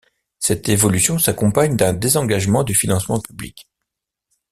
Cette évolution s'accompagne d'un désengagement du financement public.